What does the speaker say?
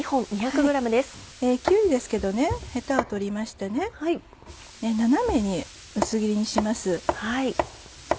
きゅうりですけどヘタを取りまして斜めに薄切りにします。